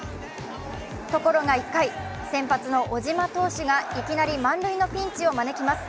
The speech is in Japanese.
ところが１回、先発の小島投手がいきなり満塁のピンチを招きます。